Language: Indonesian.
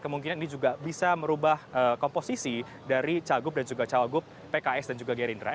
kemungkinan ini juga bisa merubah komposisi dari cagup dan juga cawagup pks dan juga gerindra